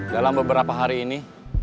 dalam beberapa hari ini